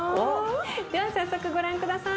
では早速ご覧下さい。